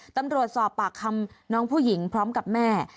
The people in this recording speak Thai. ตำรวจสอบปากคำน้องผู้หญิงพร้อมกับแม่